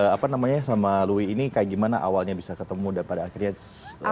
apa namanya sama louis ini kayak gimana awalnya bisa ketemu dan pada akhirnya